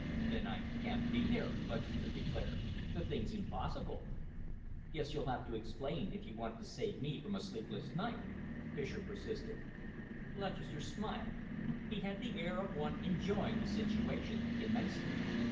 "Then I can't be here," Lutchester declared. "The thing's impossible." "Guess you'll have to explain, if you want to save me from a sleepless night," Fischer persisted. Lutchester smiled. He had the air of one enjoying the situation immensely.